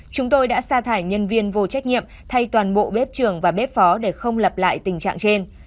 chúng tôi đã xa thải nhân viên vô trách nhiệm thay toàn bộ bếp trường và bếp phó để không lặp lại tình trạng trên